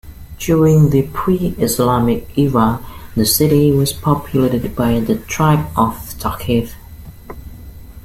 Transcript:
During the pre-Islamic era, the city was populated by the tribe of Thaqif.